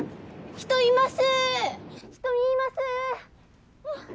人見います！